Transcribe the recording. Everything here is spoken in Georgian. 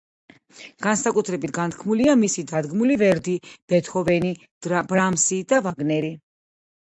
განსაკუთრებით განთქმულია მისი დადგმული ვერდი, ბეთჰოვენი, ბრამსი და ვაგნერი.